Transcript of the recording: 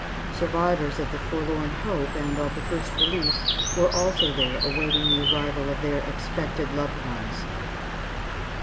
Survivors of the Forlorn Hope and of the First Relief were also there awaiting the arrival of expected loved ones.